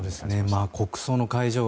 国葬の会場